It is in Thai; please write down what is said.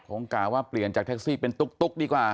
กล่าว่าเปลี่ยนจากแท็กซี่เป็นตุ๊กดีกว่า